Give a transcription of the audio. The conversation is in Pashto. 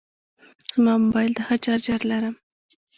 زما موبایل ته ښه چارجر لرم.